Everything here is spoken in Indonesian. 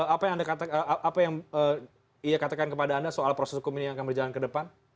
apa yang ia katakan kepada anda soal proses hukum ini yang akan berjalan ke depan